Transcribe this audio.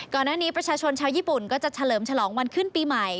ก่อนหน้านี้ประชาชนชาวญี่ปุ่นก็จะเฉลิมฉลองวันขึ้นปีใหม่